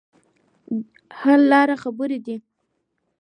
حل لاره خبرې دي.